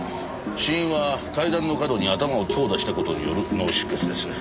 死因は階段の角に頭を強打した事による脳出血です。